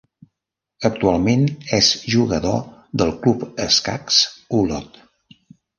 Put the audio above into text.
Actualment és jugador del Club Escacs Olot.